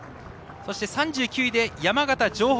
そして３９位で、山形城北。